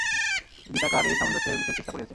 গীতাকার এই সামঞ্জস্যের বিশেষ চেষ্টা করিয়াছেন।